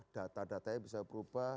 data datanya bisa berubah